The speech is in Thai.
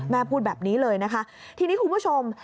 พูดแบบนี้เลยนะคะทีนี้คุณผู้ชม